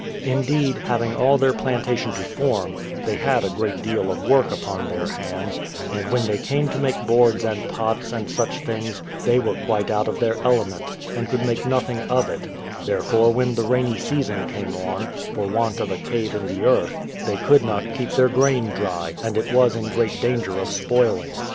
Indeed, having all their plantation to form, they had a great deal of work upon their hands; and when they came to make boards and pots, and such things, they were quite out of their element, and could make nothing of it; therefore when the rainy season came on, for want of a cave in the earth, they could not keep their grain dry, and it was in great danger of spoiling.